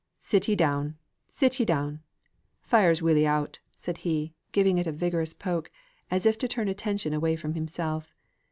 "Sit ye down, sit ye down. Fire's welly out," said he, giving it a vigorous poke, as if to turn attention away from himself.